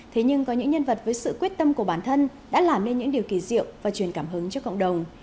thế nhưng có những nhân vật với sự quyết tâm của bản thân đã làm nên những điều kỳ diệu và truyền cảm hứng cho cộng đồng